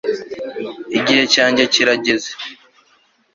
igihe cyanjye kirageze